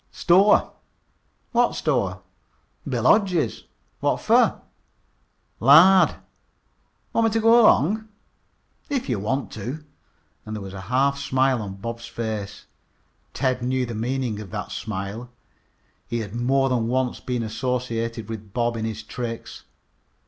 "Store." "What store?" "Bill Hodge's." "What fer?" "Lard." "Want me t' go 'long?" "If you want to," and there was a half smile on Bob's face. Ted knew the meaning of that smile. He had more than once been associated with Bob in his tricks.